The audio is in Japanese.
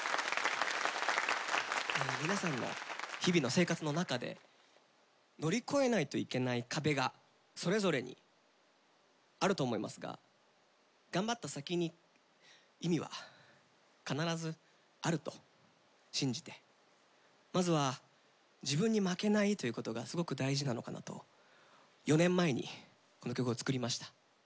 皆さんの日々の生活の中で乗り越えないといけない壁がそれぞれにあると思いますが頑張った先に意味は必ずあると信じて、まずは自分に負けないということがすごく大事なのかなと４年前に、この曲を作りました。